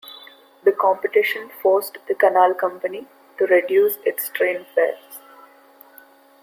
The competition forced the canal company to reduce its train fares.